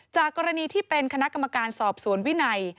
จากกรณีที่เป็นคณะกรรมการสอบสวนวินัย